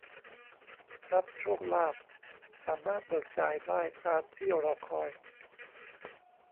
รับโชคลาภ สามารถเบิกจ่ายได้ตามที่รอคอย